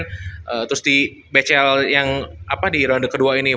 terus di becel yang apa di ronde kedua ini